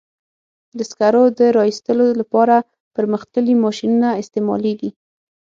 د سکرو د را ایستلو لپاره پرمختللي ماشینونه استعمالېږي.